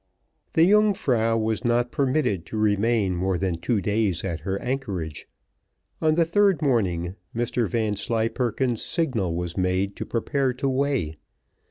The Yungfrau was not permitted to remain more than two days at her anchorage. On the third morning Mr Vanslyperken's signal was made to prepare to weigh.